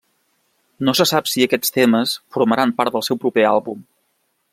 No se sap si aquests temes formaran part del seu proper àlbum.